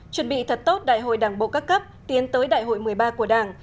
chuẩn bị thật tốt đại hội đảng bộ các cấp tiến tới đại hội một mươi ba của đảng